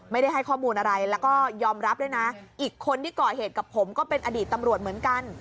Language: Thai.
ไม่ได้ให้ข้อมูลอะไรแล้วก็ยอมรับด้วยนะอีกคนที่ก่อเหตุกับผมก็เป็นอดีตตำรวจเหมือนกัน